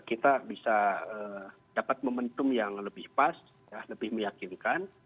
kita bisa dapat momentum yang lebih pas lebih meyakinkan